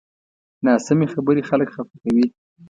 ناسمې خبرې خلک خفه کوي